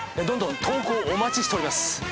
どんどん投稿をお待ちしております。